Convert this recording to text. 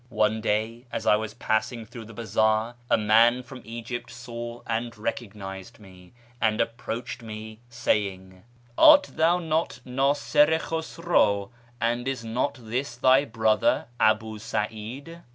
One day, as I was passing through the bazaar, a man from Egypt saw and recognised me, and approached me, saying, ' Art thou not Niisir i Khusraw, and is not this thy brother Abu Sa'id